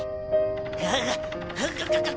ああ。